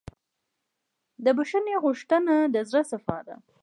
د بښنې غوښتنه د زړه صفا ده.